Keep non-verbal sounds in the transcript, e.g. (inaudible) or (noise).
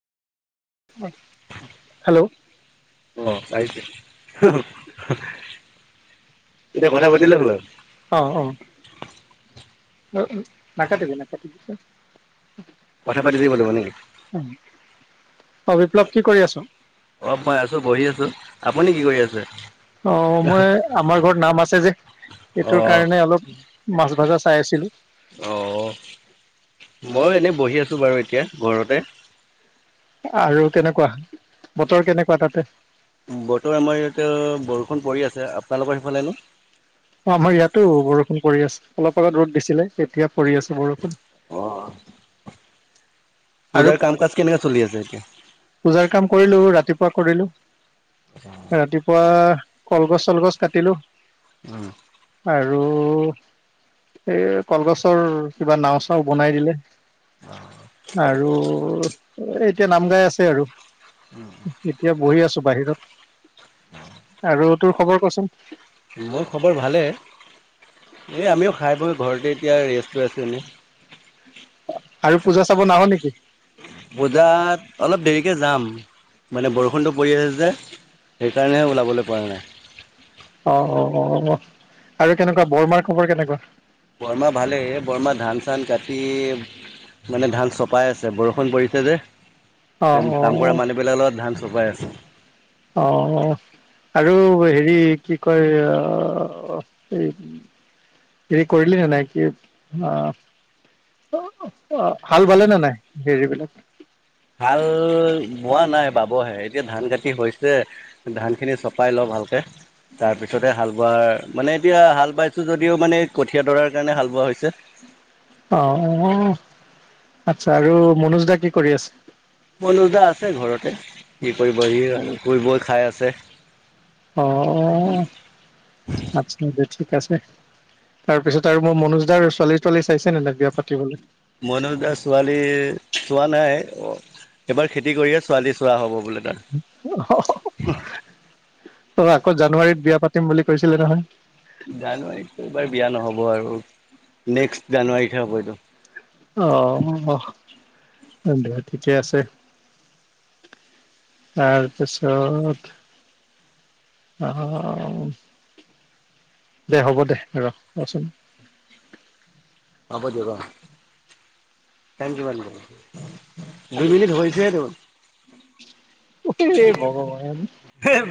Hello অ এতিয়া কথা পাতিলেে বল অ অ অ ন কাটিব নাকাটিব অ বিপ্লৱ কি কৰি আছ অ মই আমাৰ ঘৰত নাম আছে যে এইটো কাৰণ অলপ মাছ ভা অ মই এনে বহি আছো বাৰু এতিয়া ঘৰতে আৰু কেনেকুৱা বতৰ কেনেকুৱা তাতে, বতৰ আমাৰ ইয়াতে বৰষুণ পৰি আছে আপোনালোকৰ সিফালেনো অ আমাৰ ইয়াতো বৰষুণ পৰি আছে অলপ আগত ৰ'দ দিছে ছিলে কেতিয়া পঢ় আছো বৰষুন অহ আৰু পূজাৰ কাম কৰিলো ৰাতিপুৱা কৰিলো ৰাতিপুৱা কলগছ চলগছ কাটিলো আৰু আৰু এই কলগছৰ কিবা নাও চাও বনাই দিলে অ আৰু এতিয়া নাম গাই আছে আৰু এতিয়া বহি আছো বাহিৰত আৰু তোৰ খবৰ কচোন! মোৰ খবৰ ভালে। এই আমিও খাই বৈ ঘৰতে এতিয়া ৰেষ্ট লৈ আছে এনে। আৰু পূজা চাব নাহ নেকি? পূজা মানে দেৰিকে যাম মানে বৰষুণটো পৰি আছে যে, সেইকাৰণে ওলাব নোৱাৰিলো অ', অ', অ', আৰু কেনেকুৱা বৰমাৰ খবৰ কেনেকুৱা? বৰমা ভালেই বৰমাহ ধান চান কাটি মানে ধান চপাই আছে বৰষুণ পৰিছে যে। কাম কৰা মানুহবিলাকৰ লগত ধান চপাই আছে। অ', অ', আৰু হেৰি কি কয় আহ, এই এই কৰিলি নে নাই কি? আহ (unintelligible) অ', হাল বালে নে নাই? হেৰি বিলাক হাল বোৱা নাই বাবহে এতিয়া ধান কাটি হৈছে, ধান খিনি চপাই লওঁ ভালকে, তাৰপিছতে হাল বোৱা মানে এতিয়া হাল বাইছো যদিও মানে কঠীয়া দৰাৰ কাৰণে হাল বোৱা হৈছে। অ', অ', আতচ্ছা আৰু মনোত (unintelligible) কৰি আছ মনজা আছে ঘৰতে কি কৰিব সি কৰিবই খাই আছে। অ' ঠিক আছে তাৰপিছত, তাৰ মই মনোজ দাৰ ছোৱালী থোৱালি, চাইছে না নাই বিয়া পাতিবলৈ মইনো যাৰ ছোৱালী চোৱা নাই এবাৰ খেতি কৰিয়ে ছোৱালী চোৱা হব বোলে তাৰ কৰিছিলে নহয়। জানুৱাৰীতত এইবাৰ বিয়া নহব আৰু নেক্সট জানুৱাৰী হে হব এইটো অঁ! দে ঠিকে আছে? তাৰপিছত, অঁ! দে হ'ব দে, ৰ ৰচোন। হ'ব দিয়ক অ, টাইম কিমান দুই মিনিট হৈছেহে দেখোন।